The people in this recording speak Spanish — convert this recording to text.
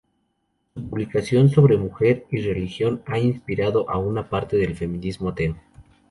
Su publicación sobre mujer y religión ha inspirado a una parte del feminismo ateo.